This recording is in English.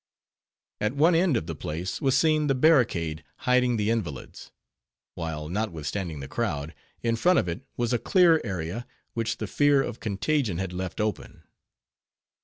At one end of the place was seen the barricade, hiding the invalids; while—notwithstanding the crowd—in front of it was a clear area, which the fear of contagion had left open.